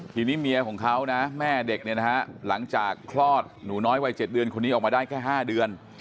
ทีนี้เมียของเขานะแม่เด็กเนี่ยนะฮะหลังจากคลอดหนูน้อยวัย๗เดือนคนนี้ออกมาได้แค่๕เดือน